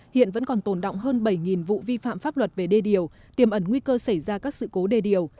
hiện vẫn còn tồn động hơn bảy vụ vi phạm pháp luật về đê điều tiềm ẩn nguy cơ xảy ra các sự cố đê điều